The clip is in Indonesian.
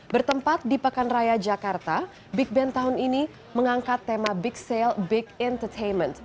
bertempat di pekanraya jakarta big bang tahun ini mengangkat tema big sale big entertainment